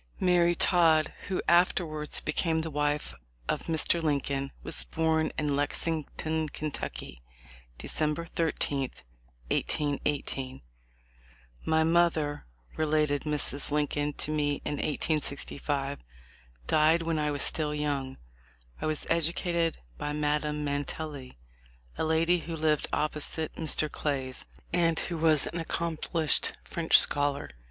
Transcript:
Mary Todd, who afterwards became the wife of Mr. Lincoln, was born in Lexington, Kentucky, December 13, 1818. "My mother," related Mrs. Lincoln to me in 1865, "died when I was still young. I was educated by Madame Mantelli, a lady who lived opposite Mr. Clay's, and who was an accom plished French scholar.